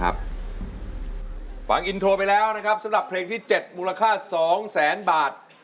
ฟังอินโทรไปแล้วนะครับสำหรับเพลงที่๗มูลค่า๒แสนบาท